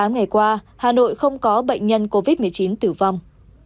hai mươi tám ngày qua hà nội không có bệnh nhân covid một mươi chín tử vong